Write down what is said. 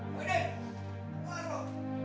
muhyiddin keluar lo